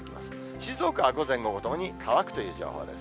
静岡は午前、午後ともに乾くという情報です。